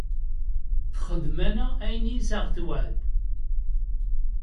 Texdem-aneɣ ayen iyes aɣ-tewɛed.